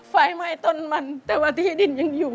ไฟไหม้ต้นมันแต่ว่าที่ดินยังอยู่